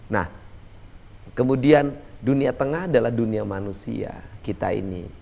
nah kemudian dunia tengah adalah dunia manusia kita ini